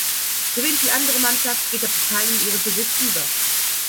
Gewinnt die andere Mannschaft, geht der Pokal in ihren Besitz über.